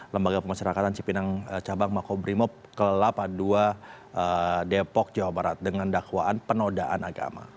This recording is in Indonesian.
lembaga pemasyarakatan cipinang cabang makobrimo ke delapan puluh dua depok jawa barat dengan dakwaan penodaan agama